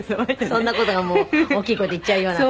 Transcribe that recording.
「そんな事がもう大きい声で言っちゃうような」